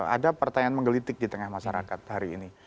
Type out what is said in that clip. ada pertanyaan menggelitik di tengah masyarakat hari ini